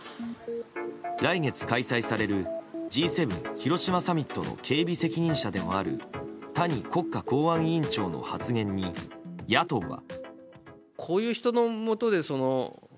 来月開催されるＧ７広島サミットの警備責任者でもある谷国家公安委員長の発言に野党は。